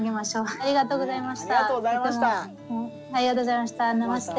ありがとうございます。